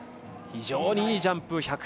非常にいいジャンプ。